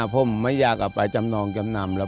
ผมไม่อยากเอาไปจำนองจำนำหรอก